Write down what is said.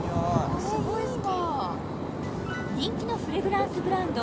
これいいわ人気のフレグランスブランド